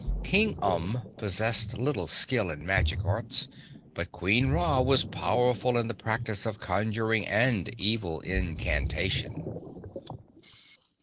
King Umb possessed little skill in magic arts, but Queen Ra was powerful in the practice of conjuring and evil incantation.